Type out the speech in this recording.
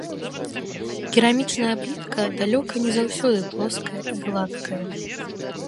Керамічная плітка далёка не заўсёды плоская і гладкая.